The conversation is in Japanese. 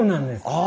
ああ！